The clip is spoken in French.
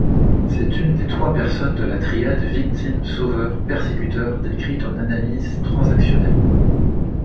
C'est une des trois personnes de la triade victime-sauveur-persécuteur décrite en analyse transactionnelle.